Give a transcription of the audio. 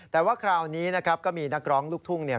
แต่ว่าคราวนี้นะครับก็มีนักร้องลูกทุ่งเนี่ย